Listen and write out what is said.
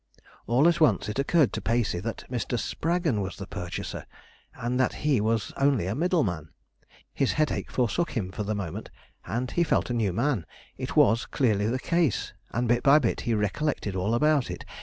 All at once it occurred to Pacey that Mr. Spraggon was the purchaser, and that he was only a middle man. His headache forsook him for the moment, and he felt a new man. It was clearly the case, and bit by bit he recollected all about it.